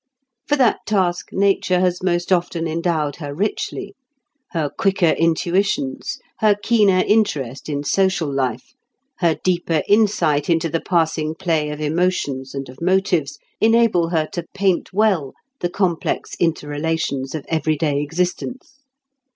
For that task nature has most often endowed her richly. Her quicker intuitions, her keener interest in social life, her deeper insight into the passing play of emotions and of motives, enable her to paint well the complex interrelations of every day existence.